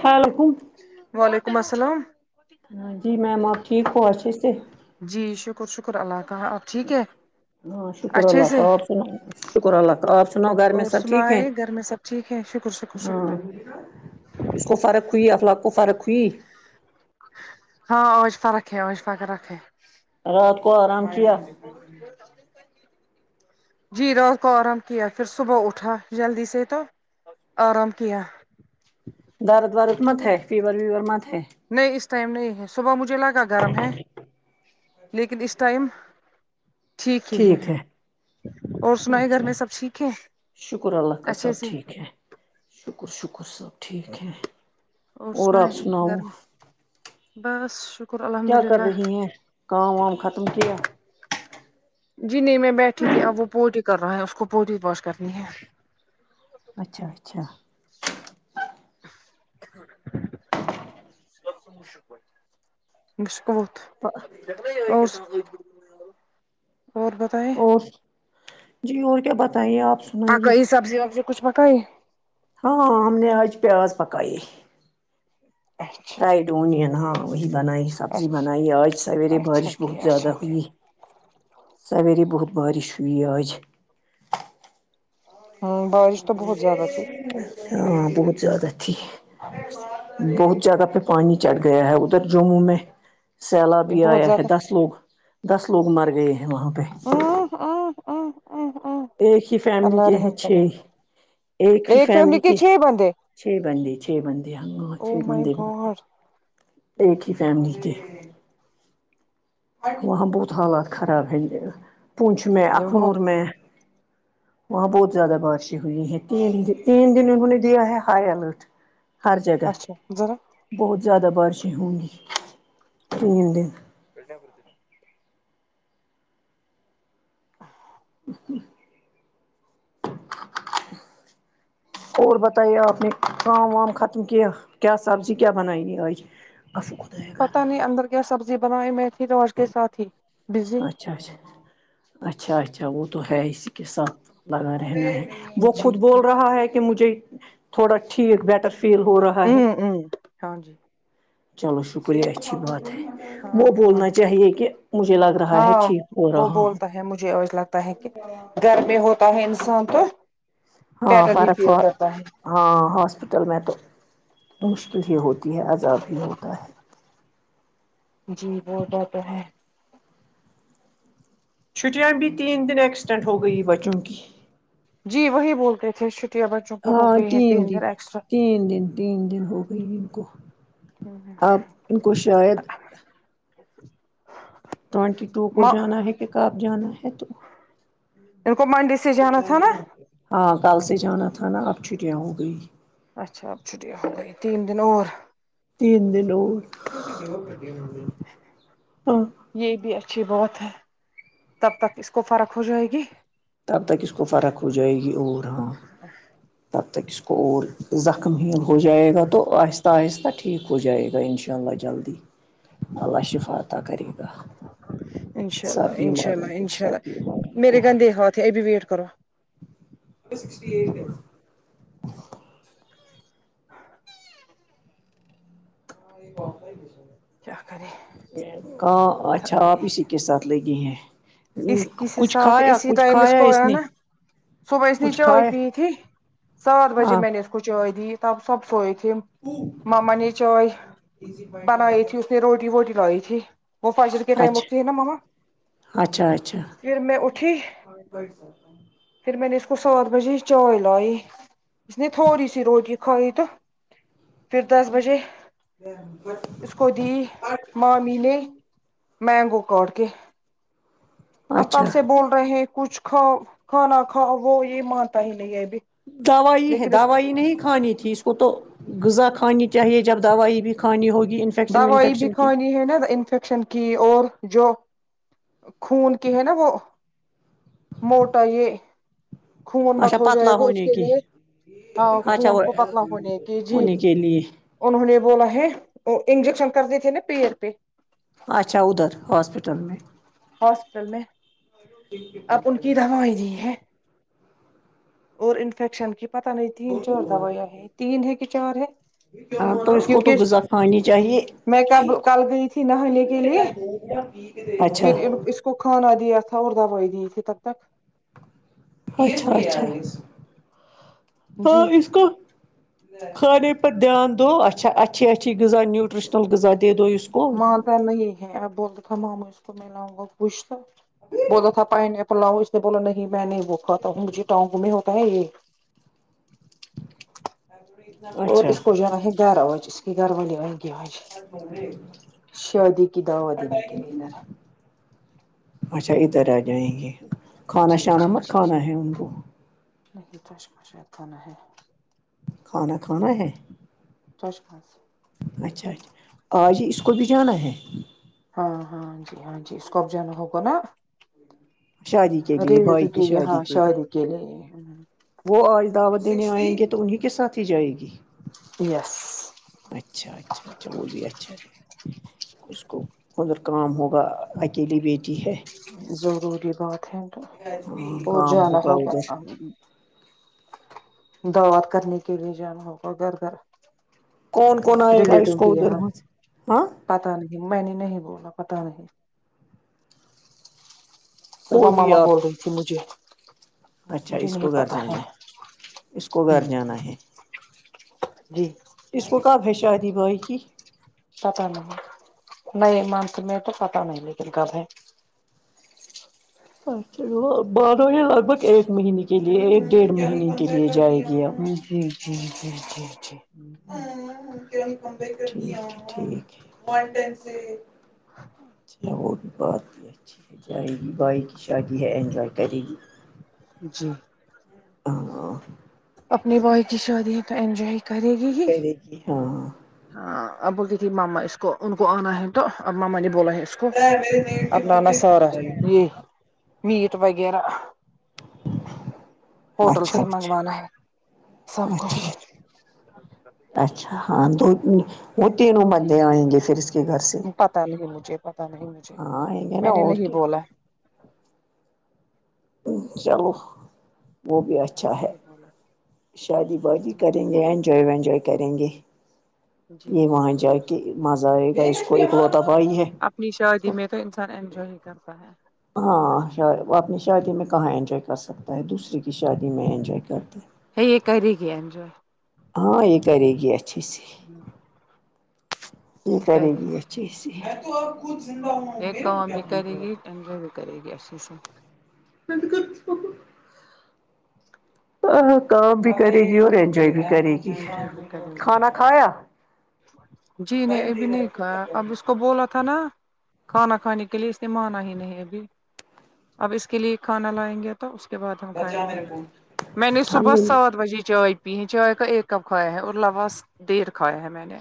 ہاں لکم وعلیکم السلام ہاں جی میم آپ ٹھیک ہو اچھے سے جی شکر شکر اللہ کا آپ ٹھیک ہے ہاں شکر اچھے اللہ سے کا اور سناو شکر اللہ کا اور سناؤ گھر میں اور سب ٹھیک ہے سنائے گھر میں سب ٹھیک ہے شکر شکر شکر اس کو فرق ہوئی افلاق کو فرق ہوئی ہاں آج فرق ہے اشفا کے رکھے رات کو آرام کیا جی رات کو آرام کیا پھر صبح اٹھا جلدی سے تو آرام کیا درد ورد مت ہے فیور ویور مت ہے نہیں اس ٹائم نہیں ہے صبح مجھے لگا گرم ہے لیکن اس ٹائم [inaudible] ٹھیک ہی ہے اور سنایے گھر اچھا میں سب ٹھیک ہے شکر اللہ کا اچھے سب سے ٹھیک ہے شکر شکر سب ٹھیک ہے اور آپ سنائے سناؤ گھر میں بس ش کیا کر رہی ہیں کام وام ختم کیا جی نہیں میں بیٹھی تھی اب وہ پوٹی کر رہا ہے اس کو پوٹی واش کرنی ہے اچھا اچھا مشک فہ اور س اور بتائے اور جی اور کیا بتائیے آپ سنائیے پکائی سبزی وبزی کچھ پکائی ہاں ہم نے آج پیاز پکائی اچھا رائڈ اونین ہاں وہی بنائی سبزی اچھا بنائی آج سویرے اچھا بارش بہت کیا زیادہ اچھا کیا ہوئی سویرے بہت بارش ہوئی آج ہاں بارش تو بہت زیادہ تھی ہاں بہت زیادہ تھی بہت جگہ پہ پانی چڑھ گیا ہے ادھر جموں میں سیلاب یہ بھی بہت آیا ہے زیادہ دس لوگ دس لوگ مر گئے ہیں وہاں پہ ا ا ا اہ ایک ہی فیملی کے ہیں چھ ایک ہی فیملی کے چھ بندے چھ بندے ہا چھ او مائی بندے گاڈ ایک ہی فیملی کے وہاں بہت حالات خراب ہے پونچھ میں یہ بہت اخنور میں وہاں بہت زیادہ بارشیں ہوئی ہیں تین تین دن انہوں نے دیا ہے ہائی الرٹ ہر جگہ اچھا ذرا بہت زیادہ بارشیں ہوں گی تین دن بٹا [inaudible] ہوں اور بتائی آپ نے کام وام ختم کیا کیا سبزی کیا بنائی آج اس خدائیں پتہ نہیں اندر کیا سبزی بنائی میتھی روج کے ساتھ ہی بزی اچھا اچھا اچھا اچھا وہ تو ہے اسی کے ساتھ لگا رہنا ہے وہ جی خود جی بول رہا ہے کہ مجھے تھوڑا ٹھیک بیٹر فیل ہو رہا ہے ہوں ہاں جی چلو شکریہ اچھی بات ہے وہ ہاں بولنا چاہیے کہ مجھے لگ رہا ہے ہاں ٹھیک ہو رہا ہوں [unintelligible] کہ گھر پے ہوتا ہے انسان تو ہاں بیٹر ہی فرق فیل ہو کرتا ہے ہاں ہاسپٹل میں تو مشکل ہی ہوتی ہے عذاب ہی ہوتا ہے جی وہ بیٹر ہے چھٹیاں بھی تین دن ایکسٹینٹ ہو گئی بچوں کی جی وہی بولتے تھے چھٹیاں ب ہاں تین دن تین دن تین دن ہو گئی ان کو اب ان کو شاید ٹوونٹی ٹو کو جانا ہے کہ کب جانا ہے تو ان کو منڈے سے جانا تھا نا اں کل سے جانا تھا نا اب چھٹیاں ہو گئی ا چھا اب چھٹیاں ہوگئی تین دن اور تین دن اور ہاں یہ بھی اچھی با ت ہے تب تک اس کو فرق ہو جائے گی تب تک اس کو فرق ہو جائے گی اور ہاں تب تک اس اور زخم ہیل ہو جائے گا تو آہستہ آہستہ ٹھیک ہو جائے گا ان شاء اللہ جلدی اللہ شفاعطا کرے گا انشاء سب اللہ انشاء بیماروں اللہ کو انشاء سب اللہ بیماروں میرے گندے ہاتھ ہے ابھی ویٹ کرو ا سکسٹی ایٹ ہے [inaudible] کیا کرے کاں اچھا تھک آپ گئی ہی س کے ساتھ لگی ہیں اس کسی کچھ ساتھ کھایا اسی کچھ ٹائم کھایا کو اس آیا نے نا صبح اس نے کچھ چائے کھایا پی تھی سات بجے ہاں میں نے اس کو چائے دی تب سب سوئے تھے ماما نے چائے بنائی تھی نے روٹی ووٹی لائی تھی وہ فجر کے ٹائم اٹھتی ہے اچھا نا ماما اچھا اچ پھر میں اٹھی پھر میں نے اس کو سات بجے چائے لائی اس نے تھوڑی سی روٹی کھا ئی تو پھر دس بجے اس [inaudible] کو دی مامی نے مینگو کاٹ کے اب تب اچھا سے بول رہے ہیں کچھ کھاؤ کھانا کھاؤ وہ یہ مانتا ہی نہیں ہے یہ بھی دوائی ہے دوائی نہیں کھانی تھی اس کو تو غذا کھانی چاہیے جب دوائی بھی کھانی ہوگی ان دوائی بھی کھانی ہے نا انفیکشن کی اور جو خون کی ہے نا وہ موٹا یہ خون اچھا مت ہو جائے پتلا گا اس ہونے کے کی لیے ہو اچھا خون وہ کو پتلا ہونے کی جی ہونے کے لیے انہوں نے بولا ہے وہ انجیکشن کر دیے تھے نا پیر پہ اچھا ادھر ہاسپٹل میں ہاسپٹل میں اب ان کی دوا وہی ہے اور انفیکشن کی پتہ نہیں تین چار دوائیاں ہیں تین ہے کہ چار ہے ہاں تو اس کوتو کیونکہ غذا کھانی چاہیے میں کب کل گئی تھی نہانے کے لیے اچھا پھر اس کھانا دیا تھا اور دوائی دی تھی تب تک اچھا اچھا ہاں جی اس کو کھانے پر دھیان دو اچھا اچھی اچھی غذا نیوٹریشنل غذا دے دو اس کو مانتا نہیں ہے ا بولتا تھا ماما اس کو میں لاؤں گا پوچھتا بولتا تھا پائن ایپل لاؤ اس یہ بولا نہیں میں نہیں بو کاتا ہوں مجھے ٹاؤں گومی ہوتا ہے یہ اھر [unintelligible] اور اس کو جانا ہے گیارہ بجے اس کے گھر والے آئینگے آج ب جی [inaudible] شادی کی دعوت دینے کے لیے ادھر اچھا ادھر آ جائیں گے کھانا جی شانہ جی مت جی کھانا ہے ان کو نہیں کچھ پوچھے تو نہیں کھانا کھانا ہے توچ خاس ہے اچھا اچھا آج اس کو بھی جانا ہے ہاں ہاں جی ہاں جی اس کو بھی جانا ہوگا نا شادی کے ارے لیے بھائی کی [unintelligible] یہاں شادی کے لیے شہادی اکیلے ہے وہ آج دعوت دینے آئیں گے تو انہیں کے ساتھ ہی جائے گی یس اچھا اچھا جو بھی اچھا ہے اس کو ادر کام ہوگا اکیلی بیٹی ہے ضروری بات ہے تو اور کام جانا ہوگا ادھر دعوات کرنے کے لیے جانا ہوگا گھر گھر کون کون آئے گا اس کو ادھر وہاں سے ہاں پتہ نہیں میں نے نہیں بولا پتہ نہیں تو وہ بھی ماما آپ بول رہی تھی مجھے اچھا مجھے اس کو نہیں گھر پتا ہے جانا اس کو گھر ہ جانا ہے جی اس میں کب ہے شادی بھائی کی پتہ نہیں نہیں مونتھ میں تو پتہ نہیں لیکن کب ہے اچھا وہ باتو یہ لگ بھگ ایک مہینے کے لیے ایک ڈیڑھ مہینے کے لیے جائے گی اب جی جی جی جی جی جی ٹھیک ہے ٹھیک ہے اچھا وہ بھی بات ہے اچھے جائے گی بائ کی شادی ہے انجوائے کرے گی جی ہاں اپنی بھائی کی شادی ہے تو انجوائے کرے گی ہی ہاں ہاں اب بولتی تھی ماما اس کو ان کو آنا ہے تو اب ماما نے بولا ہے اس کو اب ماما سارا یہ میٹ وغیرہ ہوٹل اچھا سے اچھا منگوانا ہے سب اچھا کچھ اچھا [unintelligible] اچھا ہاں دو وہ تینوں بندے آئیں گے پھر اس کے گھر سے پتہ نہیں مجھے پتہ نہیں مجھے ہاں آئیں گے نا میں نے اور نہیں بولا چلو وہ بھی میں نے اچھا ہے نہیں بولا شادی وادی کریں گے انجوائے وینجوائے کریں گے جی جی یہ جی وہاں جا جی کے مزہ آئے گا اس کو ایک لوتا بھائی ہاں ہے اپنی شادی میں تو انسان انجوے ہی کرتا ہے ہاں وہ اپنی شادی میں کہاں انجوائے کر سکتا ہے دوسرے کی شادی میں انجوائے کرتا ہے یہ کرے گی انجوائے ہاں یہ کرے گی اچھے سے یہ کرے گی اچھے سے ایک کام بھی کرے گی انجوائے بھی کرے گی اچھے سے ہاں نہ کام بھی کرے گی اور انجواے جو بھی کرے گی انجوائے بھی کرے گی کھانا کھایا جی نہیں ابھی نہیں کھایا اب اس کو کو بولا تھا نا کھانا کھانے کے لیے اس نے مانا ہی نہیں ابھی اب اس کے للئے کھانا لائیں گے تا اس کے بعد ہم کھائیں گے میں نے صبح سات بجے چائے پی ہے چائے کا ایک کپ کھایا ہے اور لواس ڈیر کھایا ہے میں نے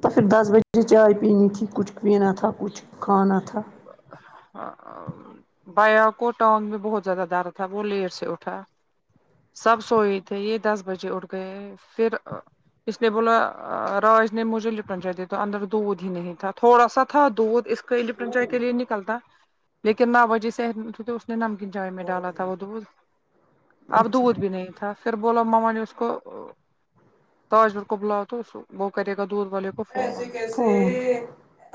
تو پھر دس بجے چائے پینی تھی کچھ پینا تھا کچھ کھانا تھا [unintelligible] بایا کوٹان میں بہت زیادہ ڈر تھا وہ لیر سے اٹھا سب سوئے تھے یہ دس بجے اٹھ گئے پھر اس نے بولا راج نے مجھے لٹنا چاہیے تھا اندر دودھ ہی نہیں تھا تھوڑا سا تھا دودھ اس کے لپٹن چائے کے لیے نکلتا لیکن نا وجی میں نمکین چائے میں ڈالا تھا وہ دودھ اب اچھا دودھ بھی نہیں تھا پھر بوللاو ماما نے اس کو تاج مل کو بلاؤ تو وہ کرے گا دودھ والے کو ایسے فون کیسے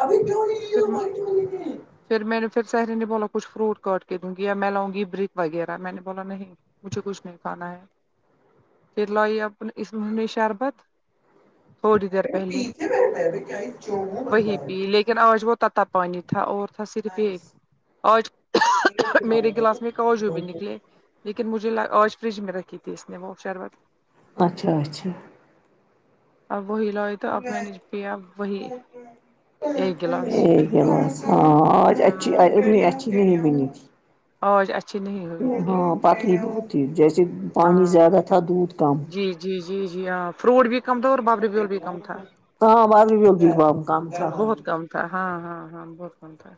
ابھی کیوں نہیں پھر [unintelligible] پھر میں نے پھر سہری نے بولا کچھ فروٹ کاٹ کے دوں گی یا میں لاؤ گی برک وغیرہ میں نے بولا نہیں مجھے کچھ نہیں کھانا ہے پھر لوائی اپ اس مہی نے شربت تھوڑی دیر پہلے وہی پی لیکن آج وہ تا پانی تھا اور تھا صرف یہ آج میرے گلاس میں کاجو بھی نکلے لیکن مجھے آج فریج میں رکھی تھی اس نے وہ شربت اچھا اچھا اب وہی لیہ ایک گلاس [unintelligible] اں آج [unintelligible] آج اچھی نہیں ہوئی تھی پتلی بہت تھی جیسے پانی زیادہ ہاں تھا دودھ کم جی جی جی ہاں فروٹ بھی کم تھا اور بابری بیول بھی کم تھا ہ بعدگ بم کام تھا بہت کم تھا ہاں ہاں ہاں بہت کم تھا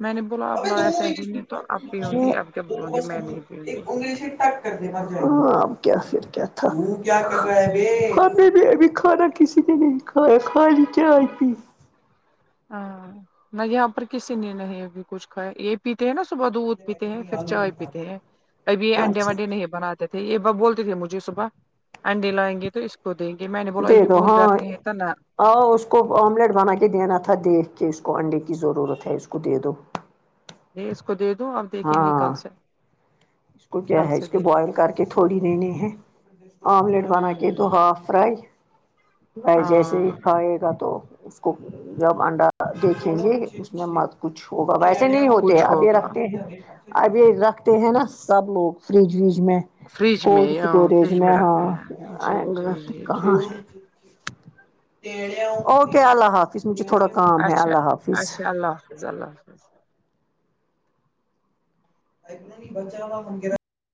میں نے بولا اب لایا سہری نے تو اب پیوں گی اب کیا بولوں گی میں نہیں پیوں گی یہی تک ہاں اب کیا پھر کیا تھا گی کانے بھی اب کھانا کسی نے نہیں کایا خالی چائے پی ہاں نہ یہاں پر کسی نے نہیں ابھی کچھ کھایا ایک پیتے ہیں نا صبح دودھ پیتے ہیں پھر چائے پیتے ہیں ابھی انڈے اچھا وڈے نہیں بنا دیتے یہ ب بولتی تھے مجھے صبح انڈے لگائیں گے تو کو دیں گے میں نے بولو ابھی بہت گرمی ہے تھا نا ہ اس کو آملیٹ بنا کے دینا تھا دیکھ کے اس کو انڈے کی ضرورت ہے اس کو دے دو میں اس کو دے دوں اب دیکھیں گے ہاں کل سے اس کو کیا کل ہے سے اس کو دیکھیں بوائل گے کر کے تھوڑی دینے ہے آملیٹ بنا کے دو ہوں ہاف فرائی فرائی جیسے ہی ہاں کھائے گا تو اس کو جب انڈا دیکھیں گے اس میں مت کچھ ہوگا ویسے نہیں ہوتے کچھ اب یہ ہوگا رکھتے ہیں اب یہ رکھتے ہیں نا سب لوگ فریج وج میں فریج میں کولڈ ہاں اسٹوریج فریج میں ہاں رکھتے ہیں جی آئے جی گار جی جی کہاں جی ہے اوکے اللہ حافظ مجھے تھوڑا کام ہے اللہ حافظ جی اللہ حفظ آ نہیں بچا منا [unintelligible]